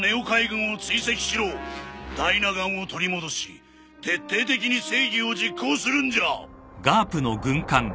ダイナ岩を取り戻し徹底的に正義を実行するんじゃ。